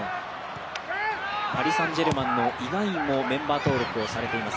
パリ・サン＝ジェルマンの選手もメンバー登録をされています。